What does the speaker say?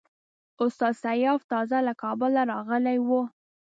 استاد سیاف تازه له کابله راغلی وو.